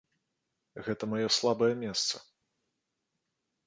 Гэта маё слабае месца.